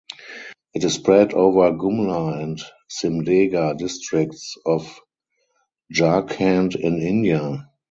It is spread over Gumla and Simdega districts of Jharkhand in India.